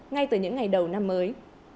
ngay từ những ngày đầu năm mới